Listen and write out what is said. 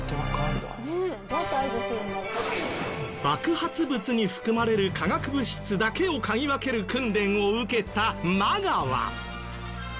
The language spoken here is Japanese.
爆発物に含まれる化学物質だけを嗅ぎ分ける訓練を受けたマガワ。